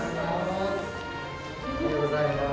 おはようございます。